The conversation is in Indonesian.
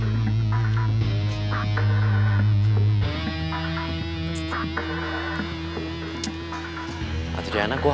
kayaknya dia emang sengaja deh